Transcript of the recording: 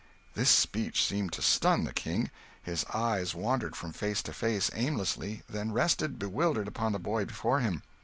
This speech seemed to stun the King. His eyes wandered from face to face aimlessly, then rested, bewildered, upon the boy before him.